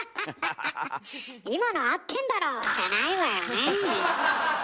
「今の合ってんだろ！」じゃないわよね。